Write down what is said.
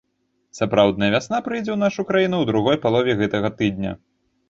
Сапраўдная вясна прыйдзе ў нашу краіну ў другой палове гэтага тыдня.